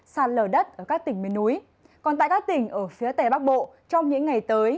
sạt lở đất ở các tỉnh miền núi còn tại các tỉnh ở phía tây bắc bộ trong những ngày tới